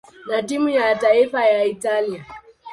na timu ya taifa ya Italia.